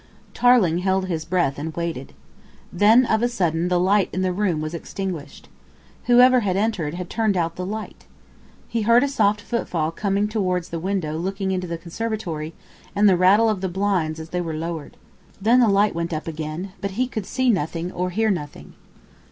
Tarling held his breath and waited. Then, of a sudden, the light in the room was extinguished. Whoever had entered had turned out the light. He heard a soft footfall coming towards the window looking into the conservatory and the rattle of the blinds as they were lowered. Then the light went up again, but he could see nothing or hear nothing.